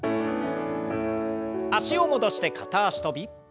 脚を戻して片脚跳び。